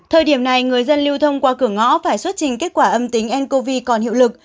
thời điểm này người dân lưu thông qua cửa ngõ phải xuất trình kết quả âm tính ncov còn hiệu lực